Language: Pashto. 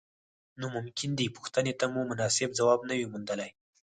نو ممکن دې پوښتنې ته مو مناسب ځواب نه وي موندلی.